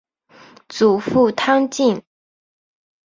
祖父汤敬。